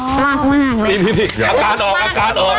มากมากนี่อากาศออกอากาศออก